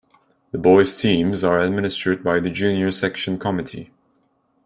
The Boys teams are administered by the Junior section Committee.